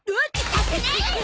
させないわよ！